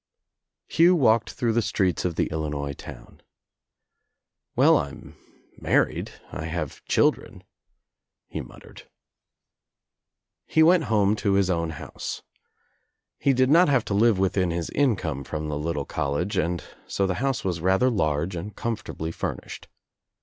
Hugh walked through the streets of the Illinois town. "Well, I'm married. I have children," he muttered. 116 I THE DOOR OF THE TRAP II7 He went home to his own house. He did not have to live within his income from the little college, and BO the house was rather large and comfortably fur nished.